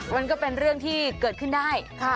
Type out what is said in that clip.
มันก็เป็นเรื่องที่เกิดขึ้นได้